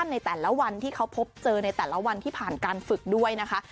ในแต่ละวันที่เขาพบเจอในแต่ละวันที่ผ่านการฝึกด้วยนะคะ